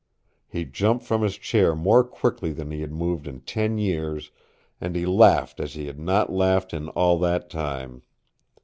He jumped from his chair more quickly than he had moved in ten years, and he laughed as he had not laughed in all that time.